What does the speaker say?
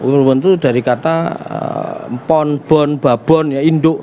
worlwon itu dari kata pon bon babon ya induk